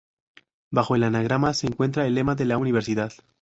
Bajo el anagrama se encuentra el lema de la universidad.